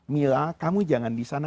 mila kamu jangan disana